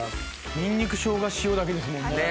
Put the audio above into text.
ニンニクショウガ塩だけですもんね。